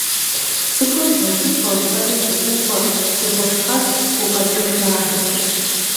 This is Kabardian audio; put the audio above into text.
Цӏыхур вгъэгуфӏэ, фэри фыгуфӏэ зэхуэфхьэс гукъэкӏыж дахэхэр.